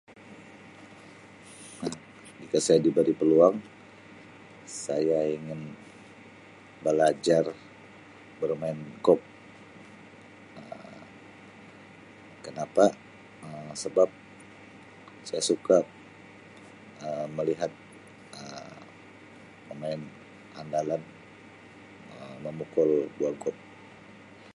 Jika saya diberi peluang saya ingin belajar bermain golf Um kenapa Um sebab saya suka Um melihat Um pemain handalan memukul bola golf.